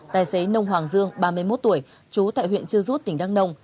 tài xế nông hoàng dương ba mươi một tuổi chú tại huyện chưa rút tỉnh đắk nông